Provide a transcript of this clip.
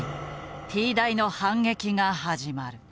Ｔ大の反撃が始まる。